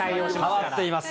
変わっています。